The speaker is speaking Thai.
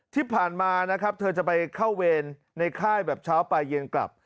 ที่ผ่านมาเธอจะไปเข้าเวรในค่ายแบบเช้าไปเย็นกลับ